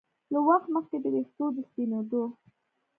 له وخت مخکې د ویښتو د سپینېدو